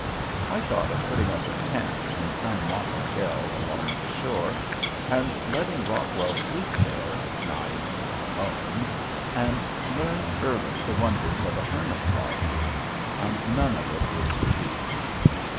I thought of putting up a tent in some mossy dell along the shore and letting Rockwell sleep there nights alone and learn early the wonders of a hermit's life. And none of it is to be!